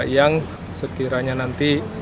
yang sekiranya nanti